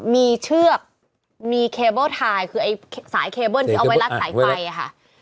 มีเชือกมีเคเบิ้ลทายคือไอ้สายเคเบิ้ลที่เอาไว้รัดสายไฟค่ะ